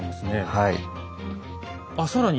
はい。